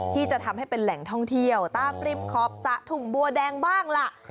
ที่จะทำให้เป็นแหล่งท่องเที่ยวตามริมขอบสระถุงบัวแดงบ้างล่ะ